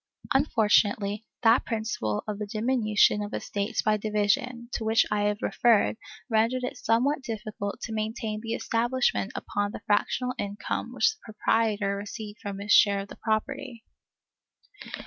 Unfortunately, that principle of the diminution of estates by division, to which I have referred, rendered it somewhat difficult to maintain the establishment upon the fractional income which the proprietor received from his share of the property.